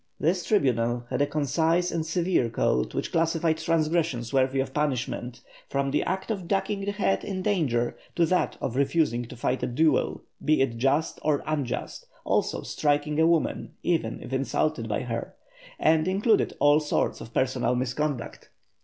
This tribunal had a concise and severe code which classified transgressions worthy of punishment, from the act of ducking the head in danger to that of refusing to fight a duel, be it just or unjust; also striking a woman, even if insulted by her; and included all sorts of personal misconduct.